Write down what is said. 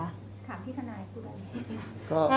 ถามที่ทางนายพูดได้เลย